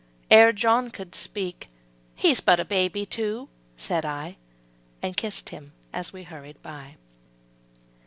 Ere John could speak, ``He's but a baby, too,'' said I, And kissed him as we hurried by.